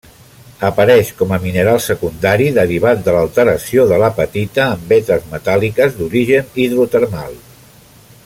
Apareix com a mineral secundari derivat de l'alteració de l'apatita, en vetes metàl·liques d'origen hidrotermal.